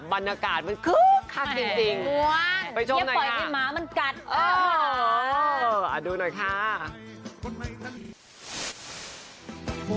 บรรณากาศมันคือคาดจริงจริงไปชมหน่อยค่ะอ่าดูหน่อยค่ะ